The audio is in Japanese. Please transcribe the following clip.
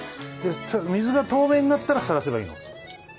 水が透明になったらさらせばいいの。